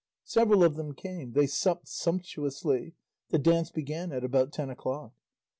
Several of them came, they supped sumptuously, the dance began at about ten o'clock.